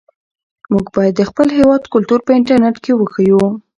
موږ باید د خپل هېواد کلتور په انټرنيټ کې وښیو.